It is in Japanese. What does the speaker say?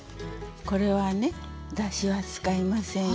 これはねだしは使いませんよ。